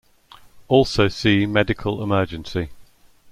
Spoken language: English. Also see medical emergency.